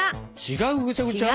違うぐちゃぐちゃ？